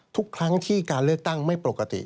ทุกครั้งที่การเลือกตั้งไม่ปกติ